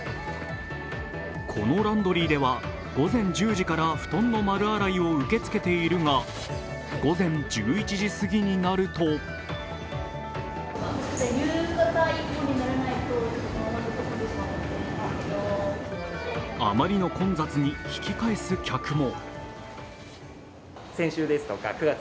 このランドリーでは午前１０時から布団の丸洗いを受け付けているが午前１１時過ぎになるとあまりの混雑に引き返す客も。